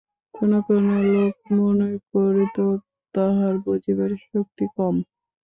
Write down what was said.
কোনো কোনো লোকে মনে করিত তাঁহার বুঝিবার শক্তি কম।